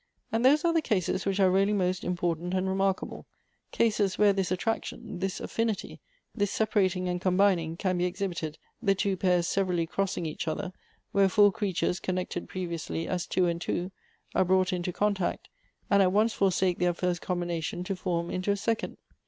" And those are the cases which are really most important and remarkable — cases where this attraction, this affinity, this separating and combining, can be exhibited, the two pairs severally crossing each other ; where four creatures, connected pre Elective Affinities. 43 viously, as two and two, are brought into contact, and at once forsake their first combination to form into a second.